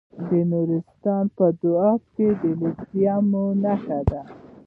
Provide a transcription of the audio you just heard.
د نورستان په دو اب کې د لیتیم نښې شته.